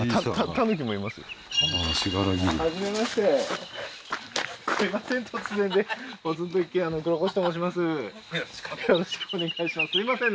信楽すいません